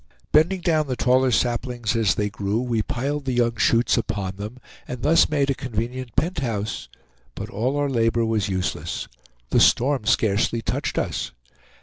Bending down the taller saplings as they grew, we piled the young shoots upon them; and thus made a convenient penthouse, but all our labor was useless. The storm scarcely touched us.